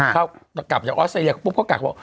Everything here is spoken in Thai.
เขากลับจากออสเตรียปุ๊บก็กลับบอก